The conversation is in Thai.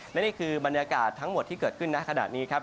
และนี่คือบรรยากาศทั้งหมดที่เกิดขึ้นนะขณะนี้ครับ